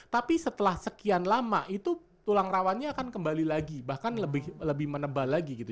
tapi setelah sekian lama itu tulang rawannya akan kembali lagi bahkan lebih menebal lagi gitu